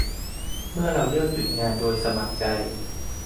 เมื่อเราเลือกหยุดงานโดยสมัครใจ